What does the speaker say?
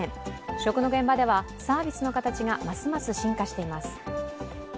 食の現場ではサービスの形がますます進化しています。